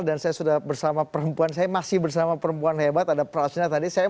saya sudah bersama perempuan saya masih bersama perempuan hebat ada prasuna tadi